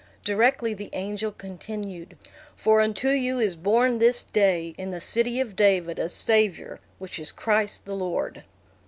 Directly the angel continued: "For unto you is born this day, in the city of David, a Savior, which is Christ the Lord!"